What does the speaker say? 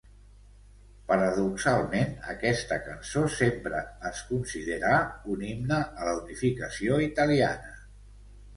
Paradoxalment, aquesta cançó sempre es considerà un himne a la unificació italiana.